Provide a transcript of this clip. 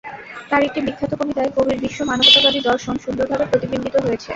তাঁর একটি বিখ্যাত কবিতায় কবির বিশ্ব মানবতাবাদী দর্শন সুন্দরভাবে প্রতিবিম্বিত হয়েছে।